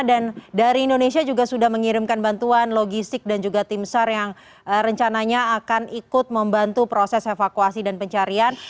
dan dari indonesia juga sudah mengirimkan bantuan logistik dan juga tim sar yang rencananya akan ikut membantu proses evakuasi dan pencarian